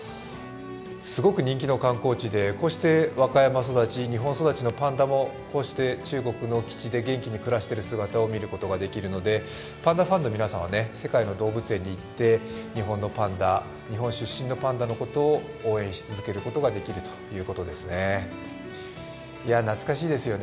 すごく人気の観光地で、こうして和歌山育ち、日本育ちのパンダもこうして中国の基地で元気に暮らしている姿を見ることができるのでパンダファンの皆さんは世界の動物園に行って日本のパンダ、日本出身のパンダのことを応援し続けることができるということですよね。